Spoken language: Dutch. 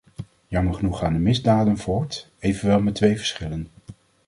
Jammer genoeg gaan de misdaden voort, evenwel met twee verschillen.